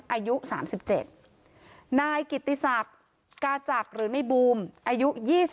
อายุ๓๗นายกิติศักดิ์กาจักรหรือในบูมอายุ๒๓